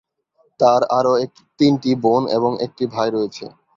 তার আরও তিনটি বোন এবং একটি ভাই রয়েছে।